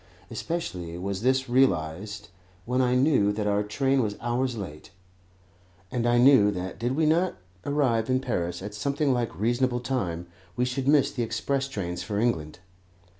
Especially was this realized when I knew that our train was hours late, and I knew that did we not arrive in Paris at something like reasonable time, we should miss the express trains for England.